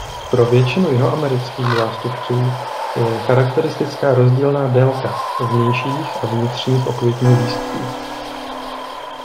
Pro většinu jihoamerických zástupců je charakteristická rozdílná délka vnějších a vnitřních okvětních lístků.